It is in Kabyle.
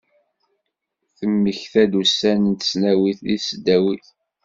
Temmekta-d ussan n tesnawit d tesdawit.